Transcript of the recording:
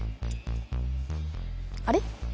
あれ？